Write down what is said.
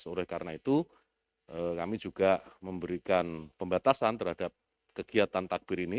oleh karena itu kami juga memberikan pembatasan terhadap kegiatan takbir ini